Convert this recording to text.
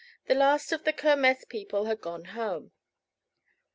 The last of the Kermess people had gone home.